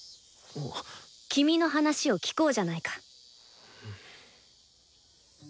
君の話を聞こうじゃないか！